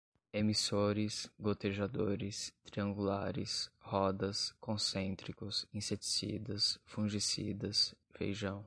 emissores, gotejadores, triangulares, rodas, concêntricos, inseticidas, fungicidas, feijão